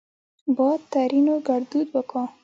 باد؛ ترينو ګړدود وګا